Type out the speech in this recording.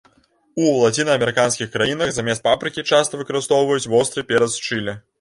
У лацінаамерыканскіх краінах замест папрыкі часта выкарыстоўваюць востры перац чылі.